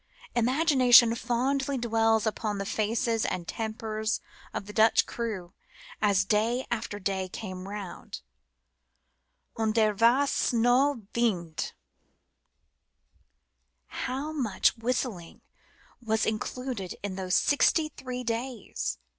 Imagination fondly dwells upon the faces and tempers of the Dutch crew as day after day came round " und der vass no vindt." How much whistling was included in those sixty three days?